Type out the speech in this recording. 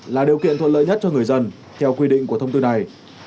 là điều kiện thuận lợi nhất cho người dân theo quy định của thông tư này